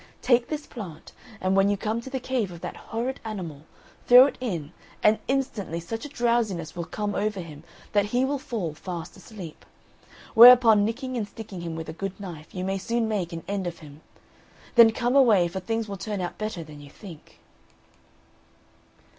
Take this plant, and when you come to the cave of that horrid animal, throw it in, and instantly such a drowsiness will come over him that he will fall fast asleep; whereupon, nicking and sticking him with a good knife, you may soon make an end of him. Then come away, for things will turn out better than you think."